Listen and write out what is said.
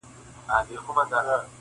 • تر بچو پوري خواړه یې رسوله -